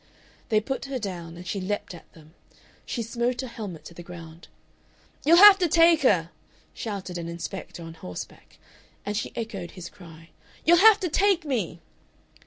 They put her down, and she leaped at them; she smote a helmet to the ground. "You'll have to take her!" shouted an inspector on horseback, and she echoed his cry: "You'll have to take me!"